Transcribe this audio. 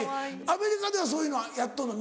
アメリカではそういうのはやっとるの？